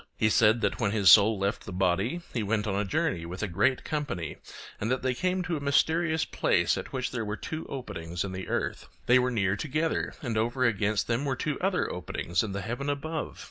He said that when his soul left the body he went on a journey with a great company, and that they came to a mysterious place at which there were two openings in the earth; they were near together, and over against them were two other openings in the heaven above.